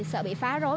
sợ bị phá rối